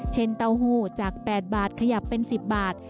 เช่นเตาหูจาก๘บาทขยับเป็น๑๐บาท